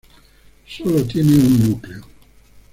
Solo tiene un núcleo.